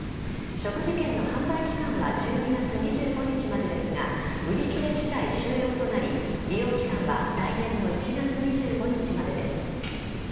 食事券の販売期間は１２月２５日までですが売り切れ次第終了となり利用期間は来年の１月２５日までです。